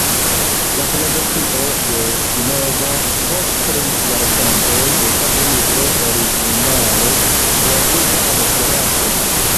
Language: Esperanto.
La Filozofio de Spinoza post Tri Jarcentoj estas libro originale verkita en Esperanto.